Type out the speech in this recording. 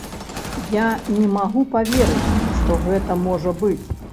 Я не магу паверыць, што гэта можа быць.